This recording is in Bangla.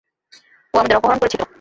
ও আমাদের অপহরণ করেছিল!